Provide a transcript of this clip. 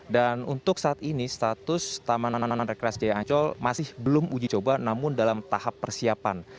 dan untuk saat ini status taman anan anan rekreasi jaya ancol masih belum uji coba namun dalam tahap persiapan